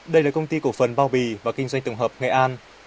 đây là công ty cổ phần bao bì và kinh doanh tổng hợp nghệ an